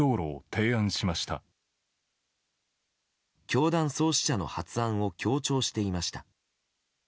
教団創始者の発案を強調していました。